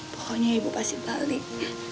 pokoknya ibu pasti balik